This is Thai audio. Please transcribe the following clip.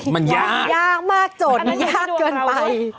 มันยากยากมากจนยากเกินไป